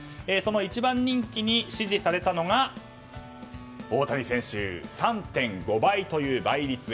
その１番人気に支持されたのが大谷選手、３．５倍という倍率。